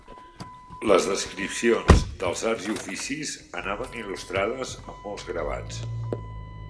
Les descripcions dels arts i oficis anaven il·lustrades amb molts gravats.